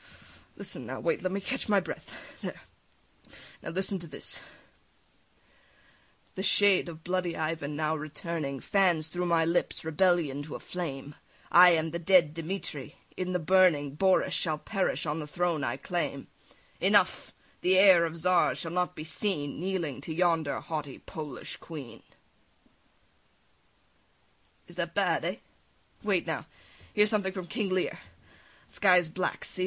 Listen now, wait, let me catch my breath, there; now listen to this: "The shade of bloody Ivan now returning Fans through my lips rebellion to a flame, I am the dead Dimitri! In the burning Boris shall perish on the throne I claim. Enough! The heir of Czars shall not be seen Kneeling to yonder haughty Polish Queen!"* *From "Boris Godunoff," by Pushkin. [translator's note] Is that bad, eh? [Quickly] Wait, now, here's something from King Lear. The sky is black, see?